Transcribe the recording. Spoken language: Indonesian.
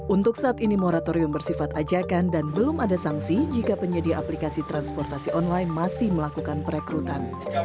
untuk saat ini moratorium bersifat ajakan dan belum ada sanksi jika penyedia aplikasi transportasi online masih melakukan perekrutan